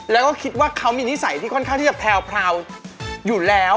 แล้วก็คิดว่าเขามีนิสัยที่ค่อนข้างที่จะแพรวอยู่แล้ว